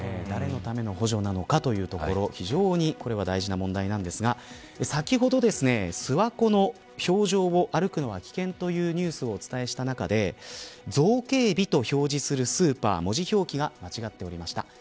誰のための補助なのかというところ非常にこれは大事な問題ですが先ほど、諏訪湖の氷上を歩くのが危険というニュースをお伝えした中で造形美と表示するスーパー文字表記が間違っておりました。